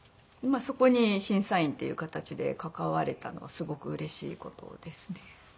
そこに審査員っていう形で関われたのはすごくうれしい事ですね。